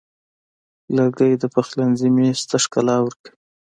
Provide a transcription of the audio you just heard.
لرګی د پخلنځي میز ته ښکلا ورکوي.